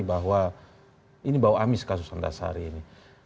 bahwa ini bawa amis kasus pak antasari ini